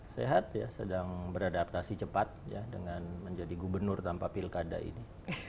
sehat ya sedang beradaptasi cepat ya dengan menjadi gubernur tanpa pilkada ini